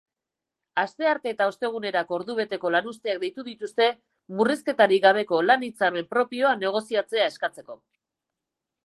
Astearte eta ostegunerako ordubeteko lanuzteak deitu dituzte murrizketarik gabeko lan-hitzarmen propioa negoziatzea eskatzeko.